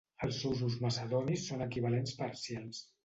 Els usos macedonis són equivalents parcials.